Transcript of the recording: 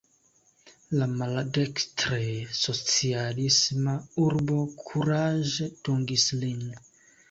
La maldekstre socialisma urbo kuraĝe dungis lin.